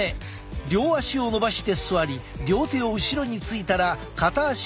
両足を伸ばして座り両手を後ろについたら片足を折り曲げる。